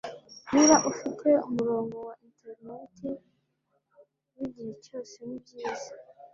Niba ufite umurongo wa interineti wigihe cyose nibyiza,